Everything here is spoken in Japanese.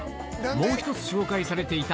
もう１つ紹介されていた